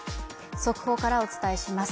速報からお伝えします。